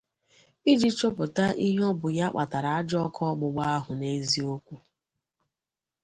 iji chọpụta ihe ọ bụ ya kpata ajọ ọkụ ọgbugba ahụ n'eziokwu